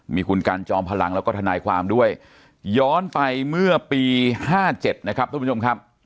มีคุณกันจอมพลังแล้วก็ทนายความด้วยย้อนไปเมื่อปี๕๗นะครับทุกผู้ชมครับ